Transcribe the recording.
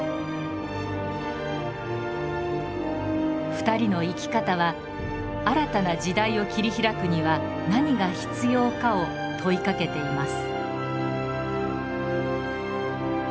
２人の生き方は新たな時代を切り開くには何が必要かを問いかけています。